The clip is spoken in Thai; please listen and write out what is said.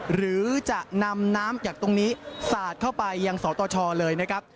หรือจะนำน้ำจากตรงนี้สาดเข้าไปยังสตชเลยนะครับ